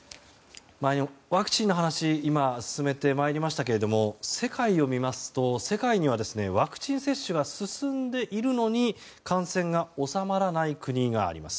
ワクチンの話を今、進めてまいりましたが世界を見ますと、世界にはワクチン接種が進んでいるのに感染が収まらない国があります。